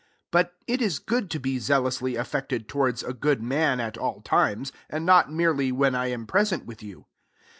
18 But it is good to be zealously affected towards a good man at all times ; and not merely when I am present with you.